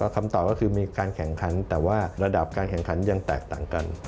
คำตอบก็คือมีการแข่งขันแต่ว่าระดับการแข่งขันยังแตกต่างกัน